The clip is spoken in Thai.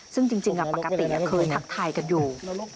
ซึ่งจริงปกติเคยทักทายกันอยู่